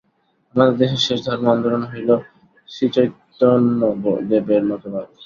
আমাদের দেশের শেষ ধর্ম-আন্দোলন হইল শ্রীচৈতন্যদেবের মতবাদ।